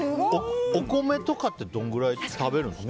お米とかってどのくらい食べるんですか？